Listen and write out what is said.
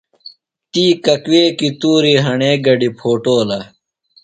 تی ککویکی تُوری ہݨے گڈیۡ پھوٹولہ۔